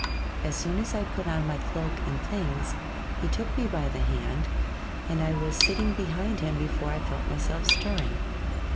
As soon as I put on my cloak and things, he took me by the hand, and I was sitting behind him before I felt myself stirring.